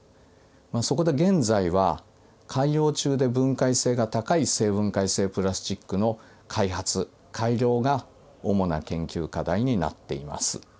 そこで現在は海洋中で分解性が高い生分解性プラスチックの開発・改良が主な研究課題になっています。